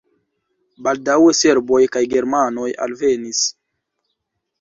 Baldaŭe serboj kaj germanoj alvenis.